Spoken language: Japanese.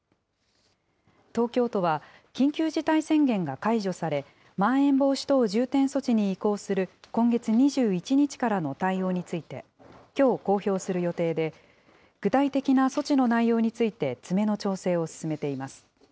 東京都は、緊急事態宣言が解除され、まん延防止等重点措置に移行する今月２１日からの対応について、きょう公表する予定で、具体的な措置の内容について、詰めの調整を進めています。